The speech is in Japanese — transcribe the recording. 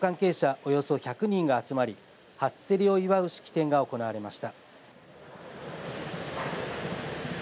およそ１００人が集まり初競りを祝う式典が行われました。